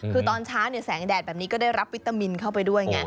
คือตอนเช้าแสงแดดแบบนี้ก็ได้รับวิตามินเข้าไปด้วยไง